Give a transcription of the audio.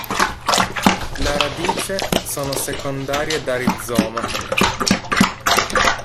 La radice sono secondarie da rizoma.